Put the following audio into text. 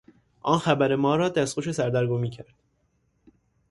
آن خبر ما را دستخوش سردرگمی کرد.